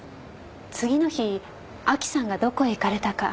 次の日亜希さんがどこへ行かれたか知りませんか？